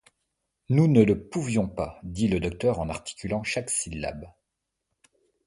Nous ne le pouvions pas, dit le docteur en articulant chaque syllabe.